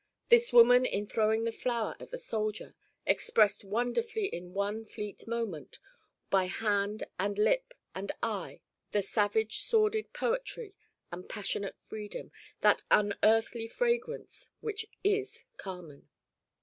This woman in throwing the flower at the soldier expressed wonderfully in one fleet moment, by hand and lip and eye, the savage sordid poetry and passionate freedom that unearthly fragrance which is Carmen.